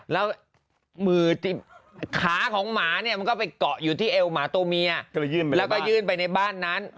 แล้วมือขาของหมาเนี่ยมันก็ไปเกาะอยู่ที่เอวหมาตัวเมียแล้วก็ยื่นไปในบ้านนั้น